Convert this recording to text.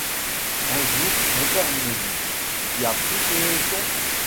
Un jour, mon père me dit : «Tu as pris tes leçons ?